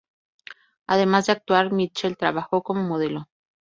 Además de actuar, Mitchell trabajó como modelo.